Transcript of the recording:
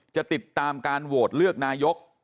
จะติดตามการโหวตเลือกนายก